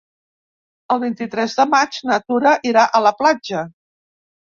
El vint-i-tres de maig na Tura irà a la platja.